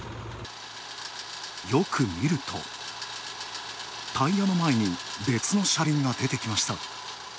よく見ると、タイヤの前に別の車輪が出てきました。